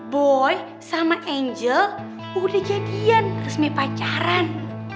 boy sama angel udah jadian resmi pacaran